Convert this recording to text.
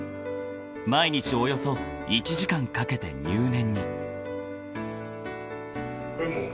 ［毎日およそ１時間かけて入念に］